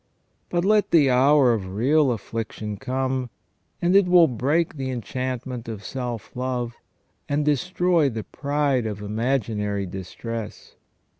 But let the hour of real affliction come, and it will break the enchantment of self love, and destroy the pride of imaginary distress.